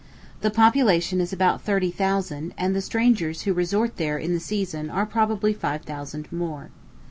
The population is about thirty thousand, and the strangers who resort there in the season are probably five thousand more.